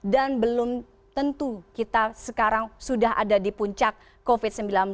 dan belum tentu kita sekarang sudah ada di puncak covid sembilan belas